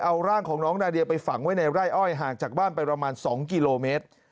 เอาร่างของน้องนาเดียไปฝังไว้ในไร่อ้อยห่างจากบ้านไปประมาณ๒กิโลเมตร